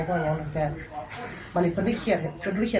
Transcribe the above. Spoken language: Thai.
อุอยวะคุณประชุมค่ะ